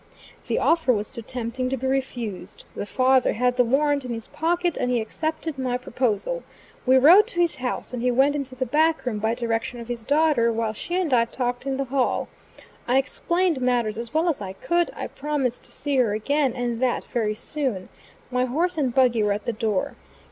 The offer was too tempting to be refused. The father had the warrant in his pocket, and he accepted my proposal. We rode to his house, and he went into the back room by direction of his daughter while she and I talked in the hall. I explained matters as well as I could; I promised to see her again, and that very soon. My horse and buggy were at the door.